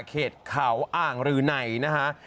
เขตเขาอ่างรืนัยนะฮะ